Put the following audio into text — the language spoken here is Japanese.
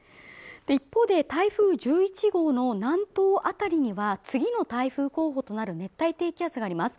一方で台風１１号の南東あたりには次の台風候補となる熱帯低気圧があります